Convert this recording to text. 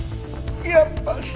やっぱり？